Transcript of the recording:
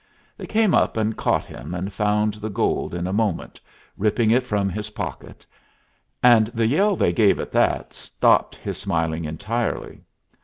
They came up and caught him and found the gold in a moment, ripping it from his pocket; and the yell they gave at that stopped his smiling entirely.